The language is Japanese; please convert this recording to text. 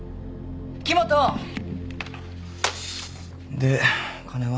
「で金は？」